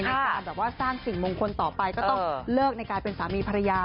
การแบบว่าสร้างสิ่งมงคลต่อไปก็ต้องเลิกในการเป็นสามีภรรยา